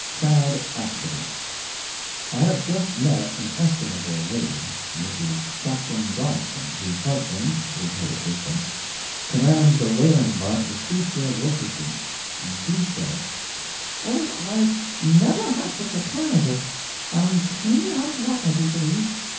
SAD ACCIDENT I have just met an estimable lady—Mrs. Captain Jollopson, whose husband (with her assistance) commands the whaling bark Lucretia Wilkerson—and she said: "Oh, I've never had such a time of it! I'm clean out of luck, I do believe.